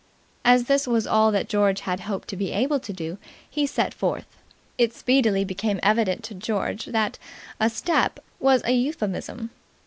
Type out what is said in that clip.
As this was all that George had hoped to be able to do, he set forth. It speedily became evident to George that "a step" was a euphemism.